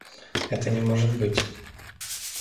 Это не может быть.